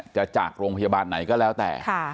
จากโรงพยาบาลไหนก็แล้วแต่